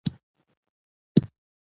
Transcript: که په کار کې اخلاص وي نو برکت پکې راځي.